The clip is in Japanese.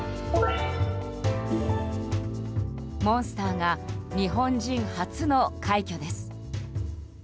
モンスターが日本人初の快挙です。